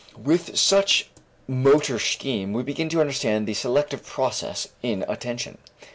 With such motor scheme, we begin to understand the selective process in attention.